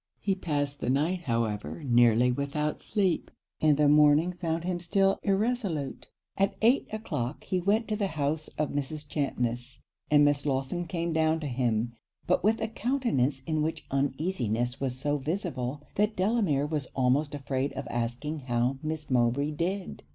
He passed the night however nearly without sleep, and the morning found him still irresolute. At eight o'clock, he went to the house of Mrs. Champness; and Miss Lawson came down to him, but with a countenance in which uneasiness was so visible, that Delamere was almost afraid of asking how Miss Mowbray did.